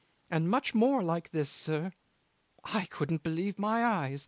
And much more like this, sir. I couldn't believe my eyes.